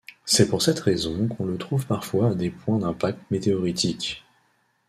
C'est pour cette raison qu'on le trouve parfois à des points d'impact météoritiques.